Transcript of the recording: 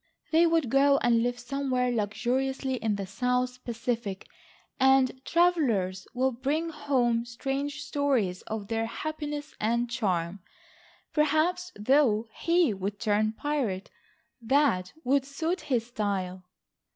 They will go and live somewhere luxuriously in the south Pacific, and travellers will bring home strange stories of their happiness and charm. Perhaps, though, he would turn pirate. That would suit his style."